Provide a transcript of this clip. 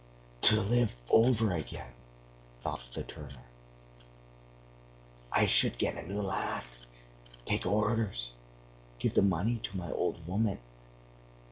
"To live over again!" thought the turner. "I should get a new lathe, take orders,... give the money to my old woman...."